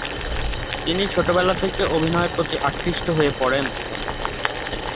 তিনি ছোটবেলা থেকেই অভিনয়ের প্রতি আকৃষ্ট হয়ে পড়েন।